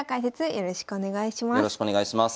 よろしくお願いします。